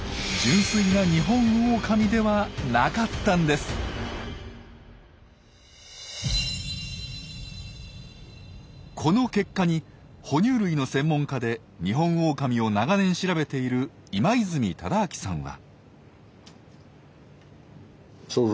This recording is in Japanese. つまりこの結果に哺乳類の専門家でニホンオオカミを長年調べている今泉忠明さんは。